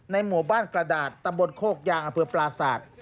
หมู่บ้านกระดาษตำบลโคกยางอำเภอปราศาสตร์